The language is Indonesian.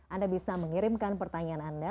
anda bisa mengirimkan pertanyaan anda